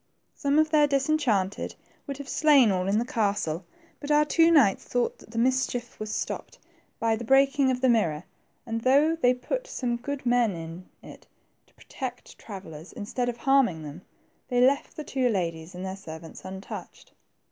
Some of their disenchanted would have slain all in the castle, but our two knights thought that the mischief was 86 • THE TWO PRINCES. stopped by the breaking of the mirror, and though they put some good men in it to protect travellers instead of harming them, they leTt the two ladies and their servants untouched.